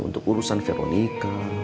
untuk urusan veronika